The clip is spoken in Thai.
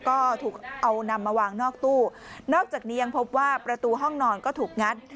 ก็ถูกเอานำมาวางนอกตู้นอกจากนี้ยังพบว่าประตูห้องนอนก็ถูกงัด